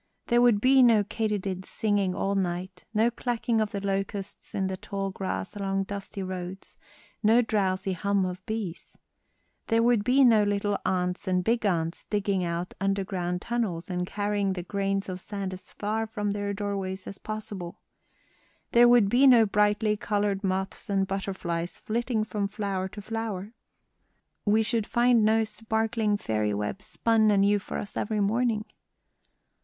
There would be no katydids singing all night, no clacking of the locusts in the tall grass along dusty roads, no drowsy hum of bees. There would be no little ants and big ants digging out underground tunnels and carrying the grains of sand as far from their doorways as possible. There would be no brightly colored moths and butterflies flitting from flower to flower. We should find no sparkling fairy webs spun anew for us every morning."